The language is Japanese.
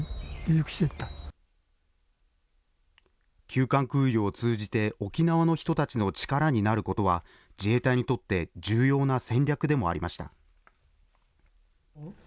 急患空輸を通じて沖縄の人たちの力になることは、自衛隊にとって重要な戦略でもありました。